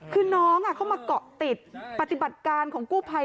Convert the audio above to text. คือน้องเขามาเกาะติดปฏิบัติการของกู้ภัย